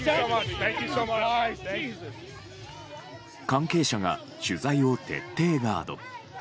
関係者が取材を徹底ガード。